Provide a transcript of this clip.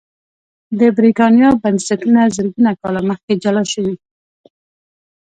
د برېټانیا بنسټونه زرګونه کاله مخکې جلا شوي